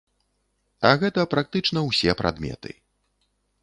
А гэта практычна ўсе прадметы.